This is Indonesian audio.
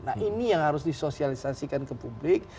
nah ini yang harus disosialisasikan ke publik